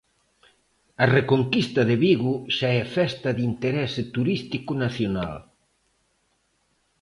A Reconquista de Vigo xa é Festa de Interese Turístico Nacional.